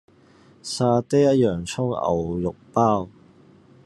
沙爹洋蔥牛肉包